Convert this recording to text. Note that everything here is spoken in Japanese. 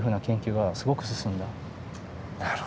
なるほど。